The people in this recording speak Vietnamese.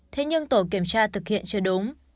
thế nhưng tổ kiểm tra thực hiện chưa đúng